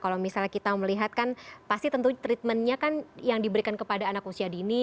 kalau misalnya kita melihat kan pasti tentu treatmentnya kan yang diberikan kepada anak usia dini